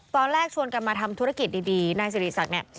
ตอนแรกชวนกันมาทำธุรกิจดีดีในสิริษัทเนี่ย